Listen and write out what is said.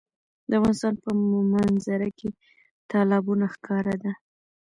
د افغانستان په منظره کې تالابونه ښکاره ده.